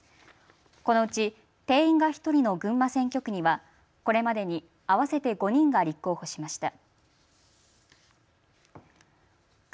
このうち定員が１人の群馬選挙区にはこれまでに合わせて５人が立候補しました。